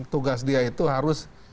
tugas dia itu harus